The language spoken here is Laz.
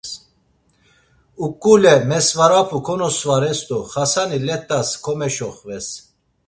Uǩule mesvarapu konosvares do Xasani let̆as komeşoxves.